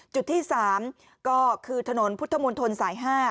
จุดที่๓ก็คือถนนพุทธมนตรสาย๕